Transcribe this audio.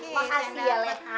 makasih ya lek